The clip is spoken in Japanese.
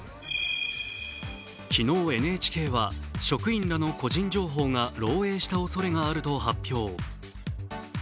昨日、ＮＨＫは職員らの個人情報が漏えいしたおそれがあると発表。